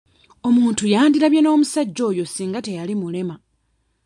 Omuntu yandirabye n'omusajja oyo singa teyali mulema.